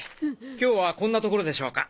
今日はこんなところでしょうか。